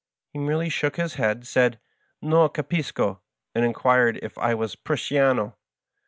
He merely shook his head, said "Non capisco," and inquired if I was " Prussiano."